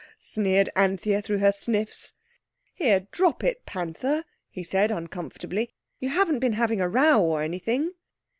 sneered Anthea through her sniffs. "Here, drop it, Panther," he said uncomfortably. "You haven't been having a row or anything?"